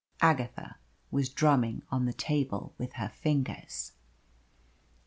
Agatha was drumming on the table with her fingers.